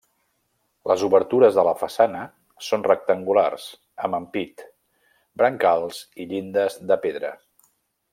Les obertures de la façana són rectangulars, amb ampit, brancals i llindes de pedra.